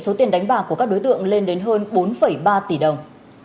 số tiền đánh bạc của các đối tượng lên đến hơn một mươi bốn triệu đồng